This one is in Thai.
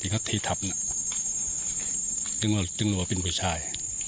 กระทิศทัพตึงรอเป็นผู้ชาย